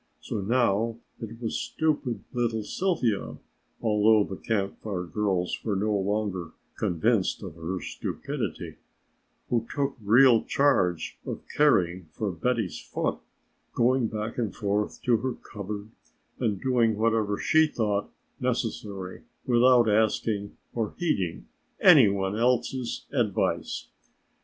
So now it was stupid little Sylvia (although the Camp Fire girls were no longer so convinced of her stupidity) who took real charge of caring for Betty's foot, going back and forth to her cupboard and doing whatever she thought necessary without asking or heeding any one else's advice.